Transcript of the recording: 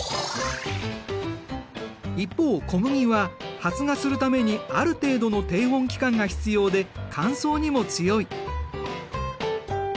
一方小麦は発芽するためにある程度の低温期間が必要で乾燥にも強い。